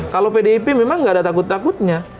kalau pdip memang nggak ada takut takutnya